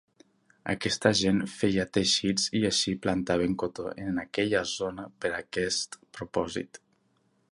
Aquesta gent feia teixits i així plantaven cotó en aquella zona per a aquest propòsit.